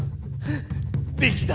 できた！